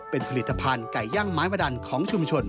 เป็นผลิตภัณฑ์ไก่ย่างไม้วดันของชุมชน